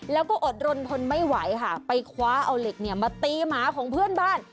แล้วก็อดรนทนไม่ไหวค่ะไปคว้าเอาเหล็กเนี่ยมาตีหมาของเพื่อนบ้าน